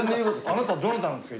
あなたどなたなんですか？